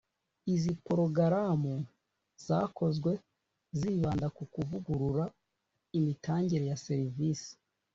Izi Porogaramu zakozwe zibanda ku kuvugurura imitangire ya serivisi